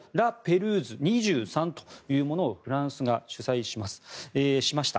ルーズ２３というものをフランスが主催しました。